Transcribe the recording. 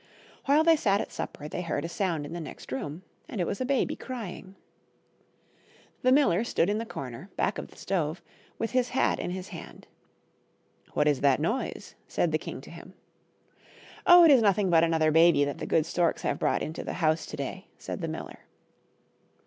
While they sat at supper they heard a sound in the next room, and it was a baby crying. The miller stood in the corner, back of the stove, with his hat in his hand. " What is that noise ? said the king to him. " Oh ! it is nothing but another baby that the good storks have brought into the house to day," said the miller.